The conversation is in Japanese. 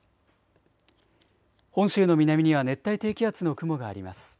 本州の南には熱帯低気圧の雲があります。